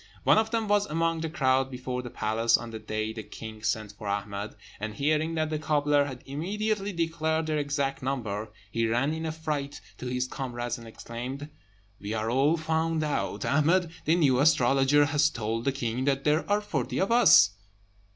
One of them was among the crowd before the palace on the day the king sent for Ahmed; and hearing that the cobbler had immediately declared their exact number, he ran in a fright to his comrades, and exclaimed, "We are all found out! Ahmed, the new astrologer, has told the king that there are forty of us."